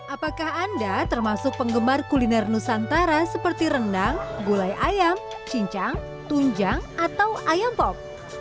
apakah anda termasuk penggemar kuliner nusantara seperti rendang gulai ayam cincang tunjang atau ayam pop